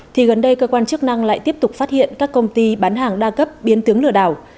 thì gần đây cơ quan chức năng lại tiếp tục phát hiện các công ty bán hàng đa cấp biến tướng lừa đảo